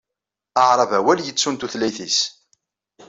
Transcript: Aɛerbawal yettun tutlayt-is.